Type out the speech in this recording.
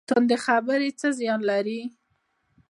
تندې خبرې څه زیان لري؟